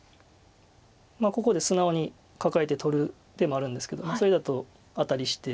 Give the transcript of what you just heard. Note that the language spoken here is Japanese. ここで素直にカカえて取る手もあるんですけどそれだとアタリして。